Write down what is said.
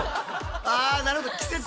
あなるほど。